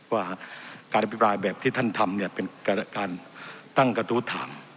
ว่าการอภิปรายแบบที่ท่านทำเนี่ยเป็นการตั้งกระทู้ถาม